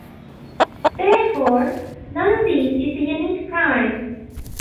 Therefore, none of these is a unique prime.